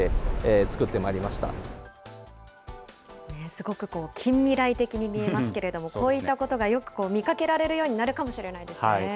すごく近未来的に見えますけれども、こういったことがよく見かけられるようになるかもしれないですね。